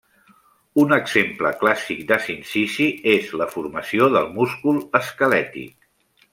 Un exemple clàssic de sincici és la formació del múscul esquelètic.